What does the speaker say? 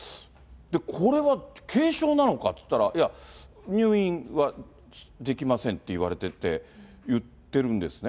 これは軽症なのかっていったら、いや、入院はできませんって言われてて、言ってるんですね。